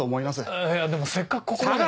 いやでもせっかくここまで。